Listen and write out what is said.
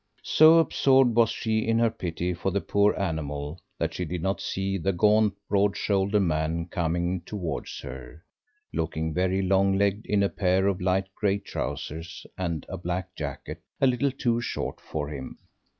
So absorbed was she in her pity for the poor animal that she did not see the gaunt, broad shouldered man coming towards her, looking very long legged in a pair of light grey trousers and a black jacket a little too short for him.